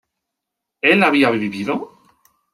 ¿él había vivido?